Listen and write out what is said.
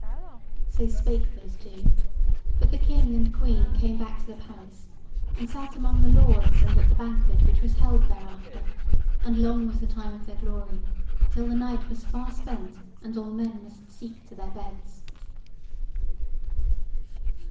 So spake those two; but the King and Queen came back to the palace, and sat among the lords and at the banquet which was held thereafter, and long was the time of their glory, till the night was far spent and all men must seek to their beds.